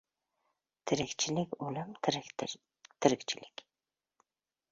— Tirikchilik, ulim, tirikchilik!